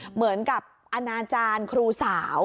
เหมือนกับอนาจารย์ครูสาว